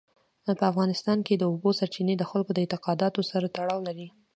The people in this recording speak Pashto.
په افغانستان کې د اوبو سرچینې د خلکو د اعتقاداتو سره تړاو لري.